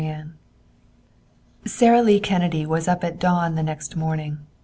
VI Sara Lee Kennedy was up at dawn the next morning.